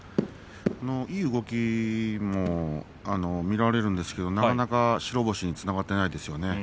いい動きも見られるんですけれどもなかなか白星につながっていないですよね。